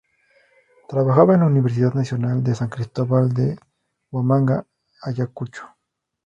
Trabajaba en La Universidad Nacional de San Cristóbal de Huamanga, Ayacucho.